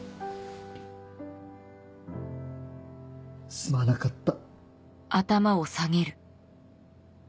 すまなかった。